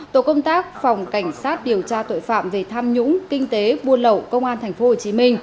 tổ công tác phòng cảnh sát điều tra tội phạm về tham nhũng kinh tế buôn lậu công an tp hcm